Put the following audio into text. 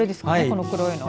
この黒いの。